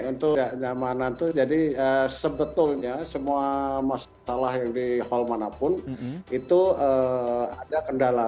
untuk kenyamanan itu jadi sebetulnya semua masalah yang di hall manapun itu ada kendala